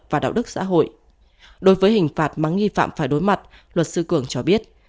và đạo đức xã hội đối với hình phạt mà nghi phạm phải đối mặt luật sư cường cho biết